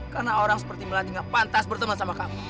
karena orang seperti melati gak pantas berteman sama kamu